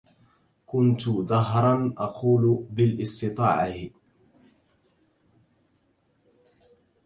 كنت دهرا أقول بالاستطاعه